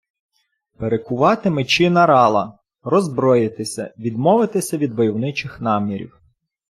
Перекувати мечі на рала - роззброїтися, відмовитися від войовничих намірів